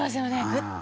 グッと。